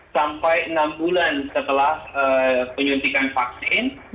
sampai enam bulan setelah penyuntikan vaksin